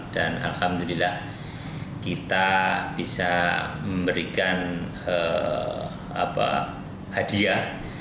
dan alhamdulillah kita bisa memberikan hadiah